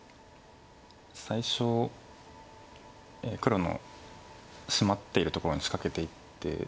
最初黒のシマっているところに仕掛けていって。